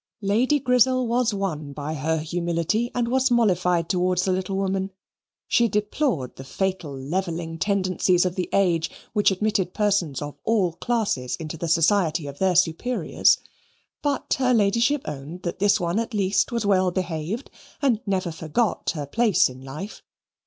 Lady Grizzel was won by her humility and was mollified towards the little woman. She deplored the fatal levelling tendencies of the age, which admitted persons of all classes into the society of their superiors, but her ladyship owned that this one at least was well behaved and never forgot her place in life.